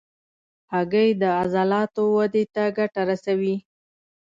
هګۍ د عضلاتو ودې ته ګټه رسوي.